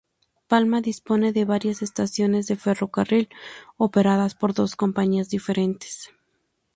Palma dispone de varias estaciones de ferrocarril operadas por dos compañías diferentes.